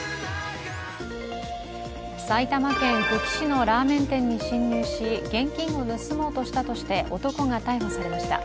埼玉県久喜市のラーメン店に侵入し現金を盗もうとしたとして男が逮捕されました。